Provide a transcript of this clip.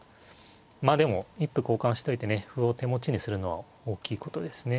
まあでも一歩交換しといてね歩を手持ちにするのは大きいことですね。